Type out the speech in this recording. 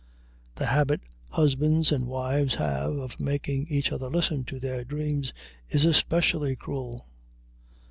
The habit husbands and wives have of making each other listen to their dreams is especially cruel.